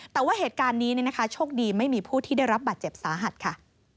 แต่ว่าเหตุการณ์นี้โชคดีไม่มีผู้ที่ได้รับบาดเจ็บสาหัสค่ะ